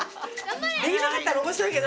できなかったらおもしろいけど。